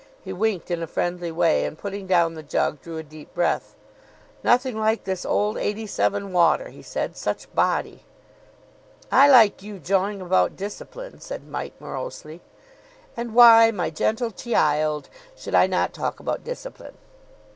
He winked in a friendly way, and, putting down the jug, drew a deep breath. "Nothing like this old '87 water," he said. "Such body." "I like you jawing about discipline," said Mike morosely. "And why, my gentle che ild, should I not talk about discipline?"